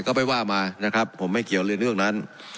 ก็ไปว่ามานะครับผมไม่เกี่ยวในเรื่องนั้น